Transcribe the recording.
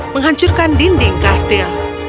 menghancurkan dinding kastil